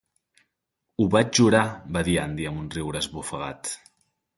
"Ho vaig jurar", va dir Andy amb un riure esbufegat.